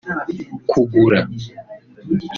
kugura